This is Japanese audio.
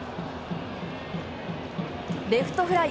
レフトフライ。